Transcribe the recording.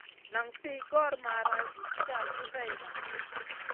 Nan fi gor mara zi sigar buseyna.